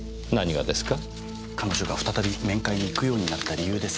彼女が再び面会に行くようになった理由です。